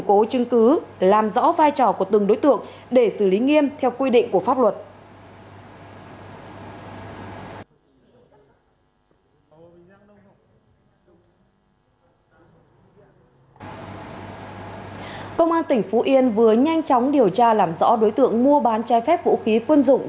công an tỉnh phú yên vừa nhanh chóng điều tra làm rõ đối tượng mua bán chai phép vũ khí quân dụng